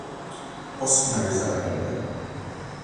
Posso finalizar a compra?